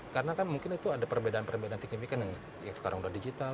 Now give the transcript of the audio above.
karena kan mungkin itu ada perbedaan perbedaan teknik teknikan yang sekarang sudah digital